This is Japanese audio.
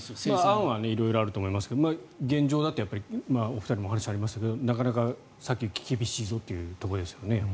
案は色々ありますが現状はお二人の話もありましたがなかなか先行き厳しいぞというところですよね。